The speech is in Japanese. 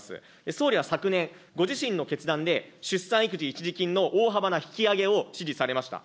総理は昨年、ご自身の決断で、出産育児一時金の大幅な引き上げを指示されました。